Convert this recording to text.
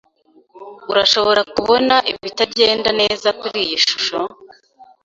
Urashobora kubona ibitagenda neza kuriyi shusho?